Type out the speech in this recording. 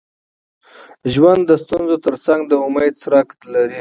ژوند د ستونزو تر څنګ د امید څرک لري.